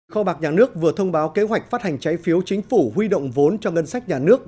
kho bạc nhà nước vừa thông báo kế hoạch phát hành trái phiếu chính phủ huy động vốn cho ngân sách nhà nước